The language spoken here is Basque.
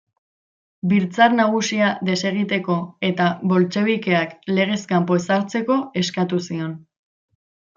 Biltzar Nagusia desegiteko eta boltxebikeak legez kanpo ezartzeko eskatu zion.